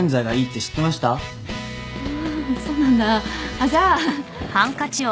あっじゃあ。